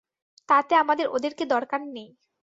তাতে আমাদের ওদেরকে দরকার নেই।